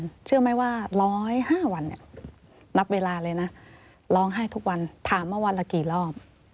เชื่อไหมว่า๑๐๕วันเนี่ยนับเวลาเลยนะร้องไห้ทุกวันถามว่าวันละกี่รอบ